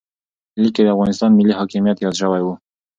لیک کې د افغانستان ملي حاکمیت یاد شوی و.